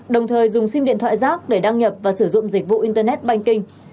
đồng thời dùng sim điện thoại rác để đăng nhập và sử dụng dịch vụ internet banking